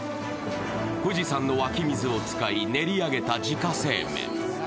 富士山の湧き水を使い、練り上げた自家製麺。